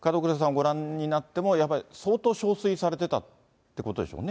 ご覧になっても、やっぱり相当しょうすいされてたってことでしょうね。